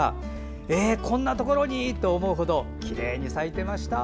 えっ、こんなところに？と思うほどきれいに咲いていました。